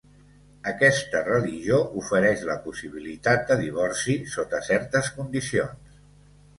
Aquesta religió ofereix la possibilitat de divorci sota certes condicions.